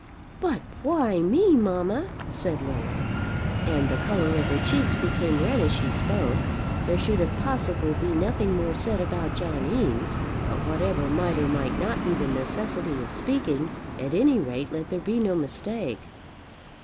"But why me, mamma?" said Lily, and the colour of her cheeks became red as she spoke. There should if possible be nothing more said about John Eames; but whatever might or might not be the necessity of speaking, at any rate, let there be no mistake.